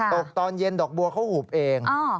ตกตอนเย็นดอกบัวเขาหูบเอง